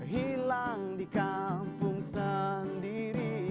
hilang di kampung sendiri